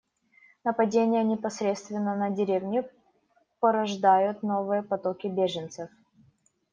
Нападения непосредственно на деревни порождают новые потоки беженцев.